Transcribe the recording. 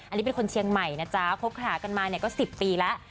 อันนี้เป็นคนเชียงใหม่นะจ๊ะคบหากันมาเนี่ยก็๑๐ปีแล้ว